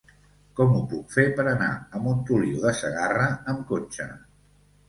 Com ho puc fer per anar a Montoliu de Segarra amb cotxe?